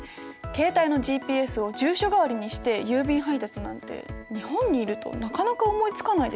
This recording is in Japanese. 携帯のＧＰＳを住所代わりにして郵便配達なんて日本にいるとなかなか思いつかないですよね。